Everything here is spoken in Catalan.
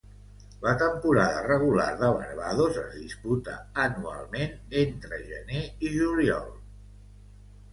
La temporada regular de Barbados es disputa anualment entre gener i juliol.